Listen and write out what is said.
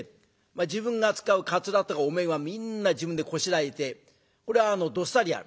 自分が使うカツラとかお面はみんな自分でこしらえてこれはどっさりある。